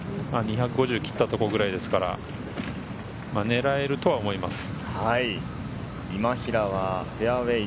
２５０切ったところぐらいですから、狙えるとは思います。